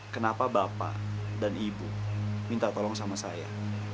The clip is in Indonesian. kenapa bapak dan ibu minta tolong sama saya